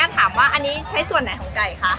อันนี้ใช้ส่วนไหนของไก่คะ